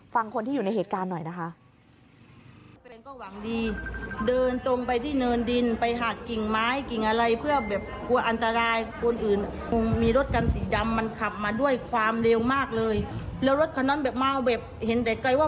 ฟังคนที่อยู่ในเหตุการณ์หน่อยนะคะ